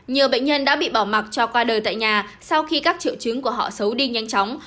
nhiều bệnh nhân đã bị bỏ mặt cho qua đời tại nhà sau khi các triệu chứng của họ xấu đi nhanh chóng